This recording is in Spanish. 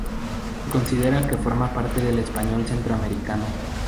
Se considera que forma parte del español centroamericano.